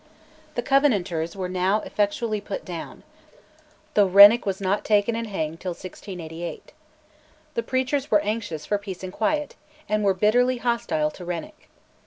The Covenanters were now effectually put down, though Renwick was not taken and hanged till 1688. The preachers were anxious for peace and quiet, and were bitterly hostile to Renwick.